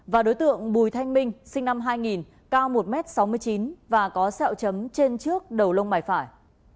và đối tượng bùi thanh minh sinh năm hai nghìn cao một m sáu mươi chín và có sẹo chấm trên trước đầu lông mày phải